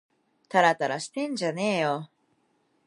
たらたらしてんじゃねぇよ